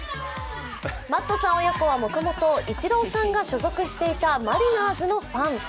マットさん親子はもともとイチローさんが所属していたマリナーズのファン。